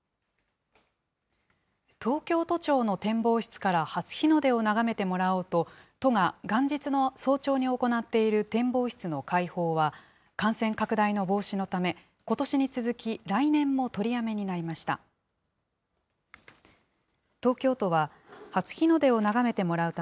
東京都庁の展望室から初日の出を眺めてもらおうと、都が元日の早朝に行っている展望室の開放は、感染拡大の防止のため、ことしに続き、来年も取りやめになりました。